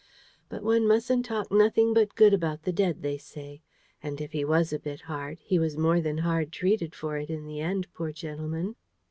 But one mustn't talk nothing but good about the dead, they say. And if he was a bit hard, he was more than hard treated for it in the end, poor gentleman!"